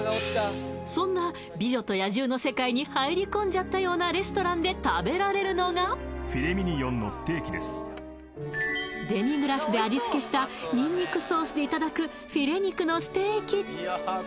そんな「美女と野獣」の世界に入り込んじゃったようなレストランで食べられるのがデミグラスで味付けしたにんにくソースでいただくフィレ肉のステーキ